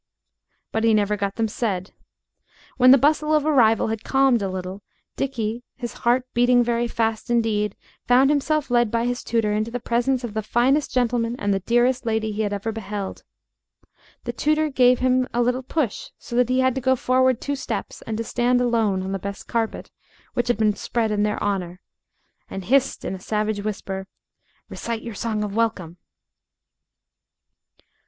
But he never got them said. When the bustle of arrival had calmed a little, Dickie, his heart beating very fast indeed, found himself led by his tutor into the presence of the finest gentleman and the dearest lady he had ever beheld. The tutor gave him a little push so that he had to go forward two steps and to stand alone on the best carpet, which had been spread in their honor, and hissed in a savage whisper "Recite your song of welcome."